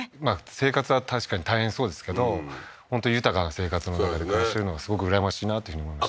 生活は確かに大変そうですけど本当豊かな生活の中で暮らしているのはすごく羨ましいなというふうに思いました